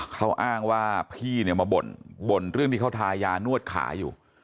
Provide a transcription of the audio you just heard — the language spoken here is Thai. เขาอ้างว่าพี่เนี่ยมาบ่นบ่นเรื่องที่เขาทายานวดขาอยู่